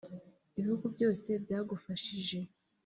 Ibihugu byose byagufashije